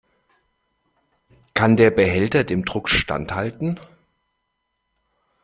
Kann der Behälter dem Druck standhalten?